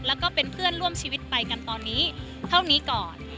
แล้วก็เป็นเพื่อนร่วมชีวิตไปกันตอนนี้เท่านี้ก่อน